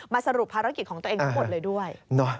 สรุปภารกิจของตัวเองทั้งหมดเลยด้วย